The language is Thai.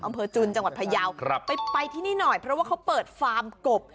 จุนจังหวัดพยาวครับไปไปที่นี่หน่อยเพราะว่าเขาเปิดฟาร์มกบ